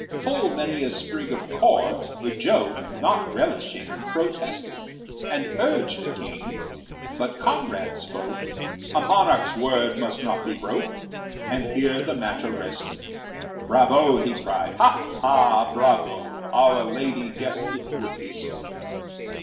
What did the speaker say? Full many a sprig of court, the joke Not relishing, protested, And urged the King; but Conrad spoke: "A monarch's word must not be broke!" And here the matter rested. "Bravo!" he cried, "Ha, ha! Bravo! Our lady guessed it would be so."